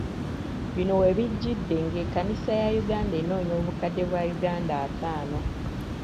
Bino we bijjidde ng’ekkanisa ya Uganda enoonya obukadde bwa Uganda ataano.